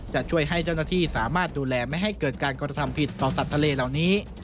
จะช่วยให้เจ้าหน้าที่สามารถดูแลไม่ให้เกิดการกระทำผิดต่อสัตว์ทะเลเหล่านี้